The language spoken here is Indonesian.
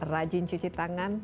rajin cuci tangan